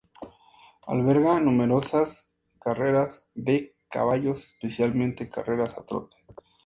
Alberga numerosas carreras de caballos, especialmente carreras a trote.